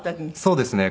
そうですね。